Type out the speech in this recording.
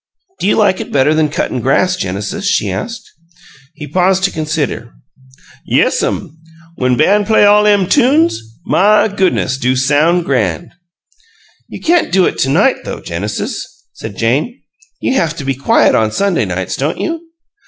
"Do you like it better than cuttin' grass, Genesis?" she asked. He paused to consider. "Yes'm when ban' play all lem TUNES! My goo'ness, do soun' gran'!" "You can't do it to night, though, Genesis," said Jane. "You haf to be quiet on Sunday nights, don't you?"